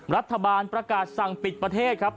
รัฐบาลประกาศสั่งปิดประเทศครับ